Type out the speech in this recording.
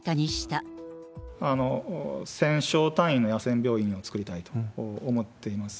１０００床単位の野戦病院を作りたいと思っています。